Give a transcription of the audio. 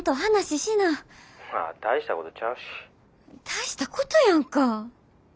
大したことやんか。